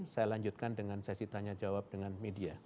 saya lanjutkan dengan sesi tanya jawab dengan media